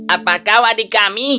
apa kau adik kami